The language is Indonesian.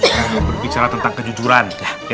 saya mau berbicara tentang kejujuran